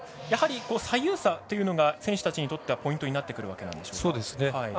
やはり左右差というのが選手たちにとってはポイントになってくるわけなんでしょうか。